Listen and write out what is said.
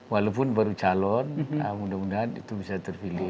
walaupun baru calon mudah mudahan itu bisa terpilih